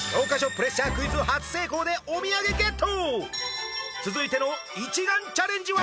プレッシャークイズ初成功でお土産ゲット！